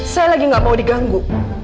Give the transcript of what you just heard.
saya lagi gak mau diganggu